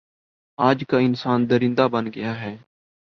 آج کا انسان درندہ بن گیا ہے